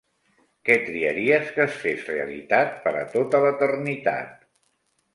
Què triaries que es fes realitat per a tota l'eternitat?